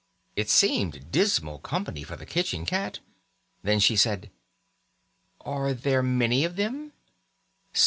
It seemed dismal company for the kitchen cat. Then she said: "Are there many of them?"